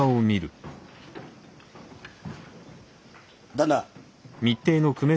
旦那。